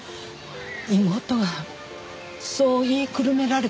妹はそう言いくるめられたんです。